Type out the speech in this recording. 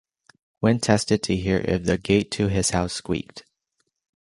Quinn tested to hear if the gate to his house squeaked.